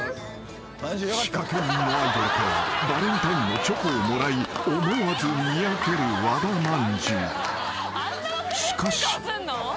［仕掛け人のアイドルからバレンタインのチョコをもらい思わずにやける和田まんじゅう］